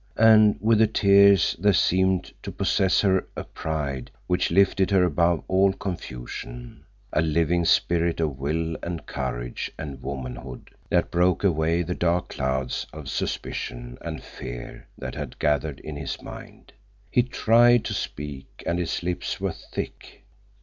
And with the tears there seemed to possess her a pride which lifted her above all confusion, a living spirit of will and courage and womanhood that broke away the dark clouds of suspicion and fear that had gathered in his mind. He tried to speak, and his lips were thick.